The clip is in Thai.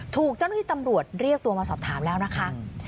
ถูกเจ้าหน้าที่ตำรวจเรียกตัวมาสอบถามแล้วนะคะ